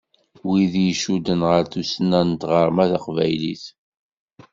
Wid i icudden ɣer tussna d tɣerma taqbaylit.